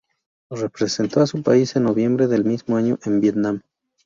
Representó a su país en noviembre del mismo año en Vietnam.